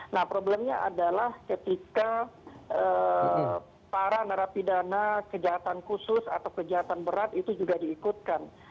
nah problemnya adalah ketika para narapidana kejahatan khusus atau kejahatan berat itu juga diikutkan